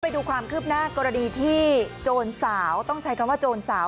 ไปดูความคืบหน้ากรณีที่โจรสาวต้องใช้คำว่าโจรสาว